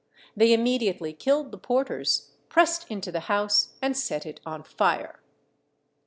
They immediately killed the porters, pressed into the house, and set it on fire."